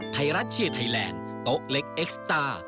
ไทยรัฐเชียร์ไทยแลนด์โต๊ะเล็กเอ็กซ์ตาร์